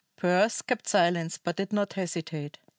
Pearse kept silence, but did not hesitate.